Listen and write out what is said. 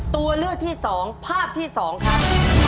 ตัวเลือกที่๒ภาพที่๒ครับ